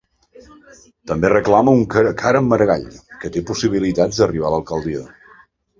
També reclama un cara a cara amb Maragall, que té possibilitats d'arribar a l'alcaldia.